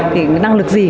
thì cái năng lực gì